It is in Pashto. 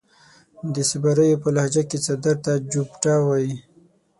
د صبريو پۀ لهجه کې څادر ته جوبټه وايي.